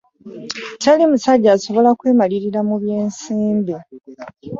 Teri musajja asobola kwemalirira mu byensimbi.